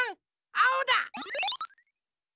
あおだ！